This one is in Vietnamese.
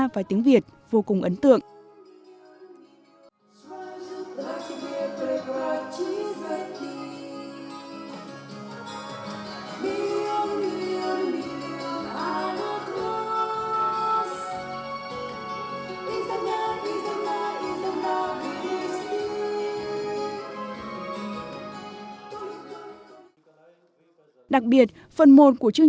và tiếng việt vô cùng ấn tượng